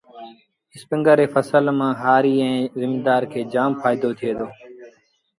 اسپيٚنگر ري ڦسل مآݩ هآريٚ ائيٚݩ زميݩدآر کي جآم ڦآئيٚدو ٿُئي دو۔